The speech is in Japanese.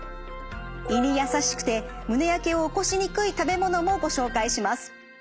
胃に優しくて胸やけを起こしにくい食べ物もご紹介します。